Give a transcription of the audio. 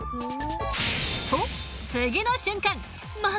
と次の瞬間あぁ！！